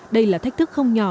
đây là thách thức không nhỏ